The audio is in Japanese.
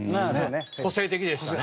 個性的でしたね。